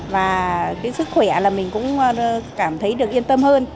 và cái sức khỏe là mình cũng cảm thấy được yên tâm hơn